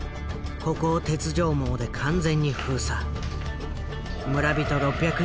ここを鉄条網で完全に封鎖。